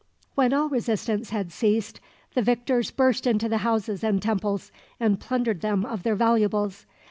When all resistance had ceased, the victors burst into the houses and temples, and plundered them of their valuables.